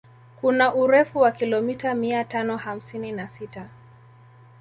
Kuna urefu wa kilomita mia tano hamsini na sita